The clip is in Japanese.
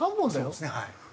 そうですねはい。